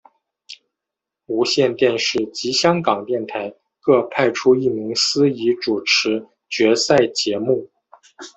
无线电视及香港电台各派出一名司仪主持决赛节目。